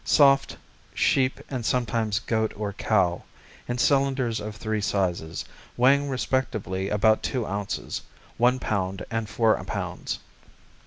Soft; sheep and sometimes goat or cow; in cylinders of three sizes, weighing respectively about two ounces, one pound, and four pounds.